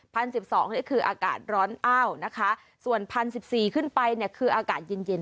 สิบสองนี่คืออากาศร้อนอ้าวนะคะส่วนพันสิบสี่ขึ้นไปเนี่ยคืออากาศเย็นเย็น